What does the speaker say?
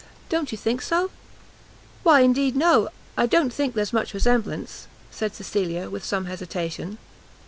Don't you think so?" "Why indeed, no, I don't think there's much resemblance," said Cecilia, with some hesitation.